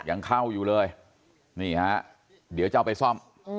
ยังเข้าอยู่เลยนี่ฮะเดี๋ยวจะเอาไปซ่อม